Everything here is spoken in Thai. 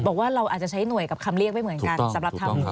บอกว่าเราอาจจะใช้หน่วยกับคำเรียกไม่เหมือนกันสำหรับทำ